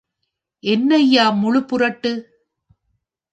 என்னய்யா முழுப்புரட்டு!